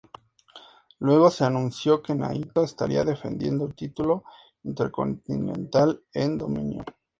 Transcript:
Luego se anunció que Naito estaría defendiendo el título Intercontinental en "Dominion".